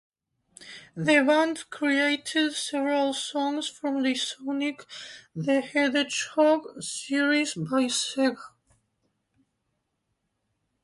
The band created several songs from the "Sonic the Hedgehog" series by Sega.